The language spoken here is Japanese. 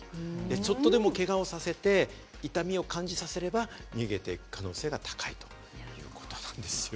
ちょっとでも抵抗して痛みを感じさせると逃げていく可能性が高いということです。